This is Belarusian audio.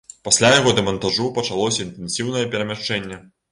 Пасля яго дэмантажу пачалося інтэнсіўнае перамяшчэнне.